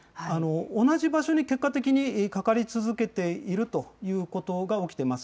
同じ場所に結果的にかかり続けているということが起きています。